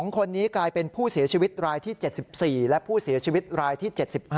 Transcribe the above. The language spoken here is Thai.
๒คนนี้กลายเป็นผู้เสียชีวิตรายที่๗๔และผู้เสียชีวิตรายที่๗๕